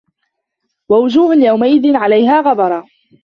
وَوُجوهٌ يَومَئِذٍ عَلَيها غَبَرَةٌ